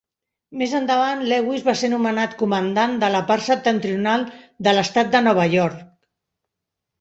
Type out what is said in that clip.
Més endavant, Lewis va ser nomenat comandant de la part septentrional de l'Estat de Nova York.